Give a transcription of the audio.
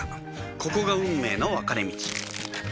ここが運命の分かれ道